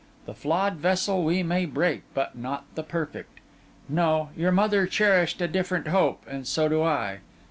The flawed vessel we may break, but not the perfect. No, your mother cherished a different hope, and so do I.